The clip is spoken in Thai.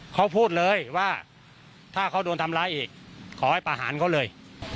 เขาพูดเลยว่าถ้าเขาโดนทำร้ายอีกขอให้ประหารเขาเลย